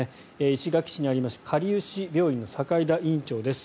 石垣市にありますかりゆし病院の境田院長です。